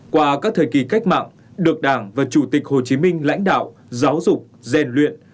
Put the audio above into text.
qua các thời kỳ cách mạng được đảng và chủ tịch hồ chí minh lãnh đạo giáo dục rèn luyện